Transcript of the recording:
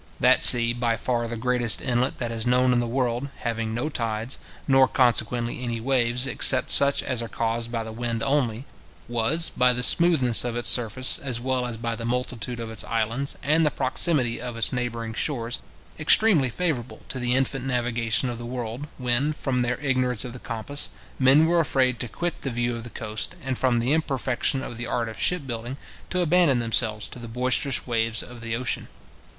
That sea, by far the greatest inlet that is known in the world, having no tides, nor consequently any waves, except such as are caused by the wind only, was, by the smoothness of its surface, as well as by the multitude of its islands, and the proximity of its neighbouring shores, extremely favourable to the infant navigation of the world; when, from their ignorance of the compass, men were afraid to quit the view of the coast, and from the imperfection of the art of ship building, to abandon themselves to the boisterous waves of the ocean.